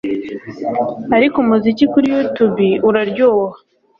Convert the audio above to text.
Ariko umuziki kuri yutubi uraryoha